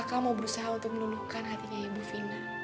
kamu mau berusaha untuk menunuhkan hatinya ibu fina